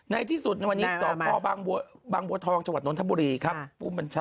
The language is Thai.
ในที่สุดในวันนี้สพบางบัวทองจังหวัดนทบุรีครับ